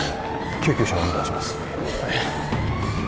救急車をお願いします